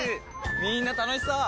みんな楽しそう！